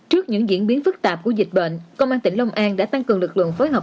trước những diễn biến phức tạp của dịch bệnh công an tỉnh long an đã tăng cường lực lượng phối hợp